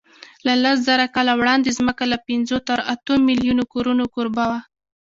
له لسزره کاله وړاندې ځمکه له پینځو تر اتو میلیونو کورونو کوربه وه.